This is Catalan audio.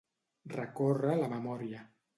Recórrer la memòria.